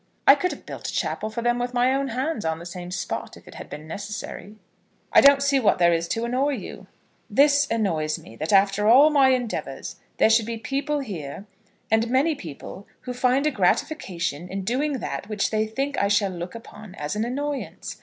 I could have built a chapel for them with my own hands on the same spot, if it had been necessary." "I don't see what there is to annoy you." "This annoys me, that after all my endeavours, there should be people here, and many people, who find a gratification in doing that which they think I shall look upon as an annoyance.